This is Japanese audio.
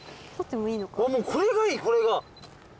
もうこれがいいこれが。